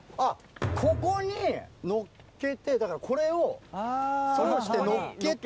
ここにのっけてだからこれを通してのっけて。